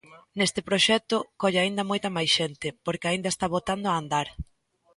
Neste proxecto colle aínda moita máis xente, porque aínda está botando a andar.